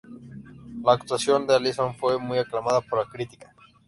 La actuación de Alison fue muy aclamada por la crítica.